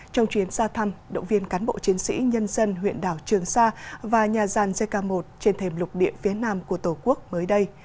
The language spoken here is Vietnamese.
trong chuyến xa thăm động viên cán bộ chiến sĩ nhân dân huyện đảo trường sa và nhà gian jk một trên thềm lục địa phía nam của tổ quốc mới đây